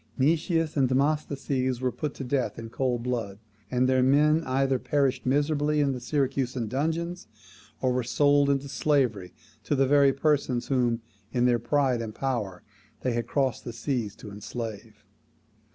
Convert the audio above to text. Nicias and Demosthenes were put to death in cold blood; and their men either perished miserably in the Syracusan dungeons, or were sold into slavery to the very persons whom, in their pride of power, they had crossed the seas to enslave.